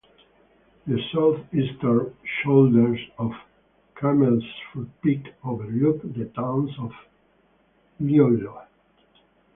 The southeastern shoulders of Camelsfoot Peak overlook the town of Lillooet.